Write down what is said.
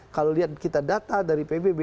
kalau kita lihat data dari pbb